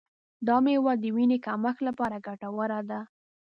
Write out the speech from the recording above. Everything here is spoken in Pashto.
دا میوه د وینې کمښت لپاره ګټوره ده.